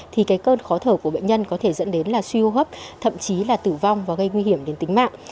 thì cái cơn khó thở của bệnh nhân có thể dẫn đến là suy hô hấp thậm chí là tử vong và gây nguy hiểm đến tính mạng